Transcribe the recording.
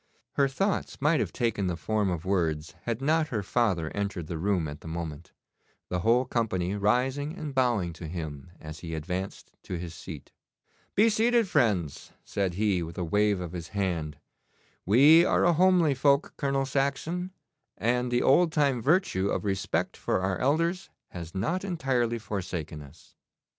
Her thoughts might have taken the form of words had not her father entered the room at the moment, the whole company rising and bowing to him as he advanced to his seat. 'Be seated, friends,' said he, with a wave of his hand; 'we are a homely folk, Colonel Saxon, and the old time virtue of respect for our elders has not entirely forsaken us.